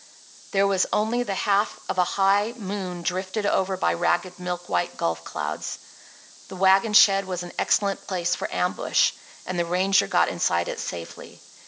There was only the half of a high moon drifted over by ragged, milk white gulf clouds. The wagon shed was an excellent place for ambush; and the ranger got inside it safely.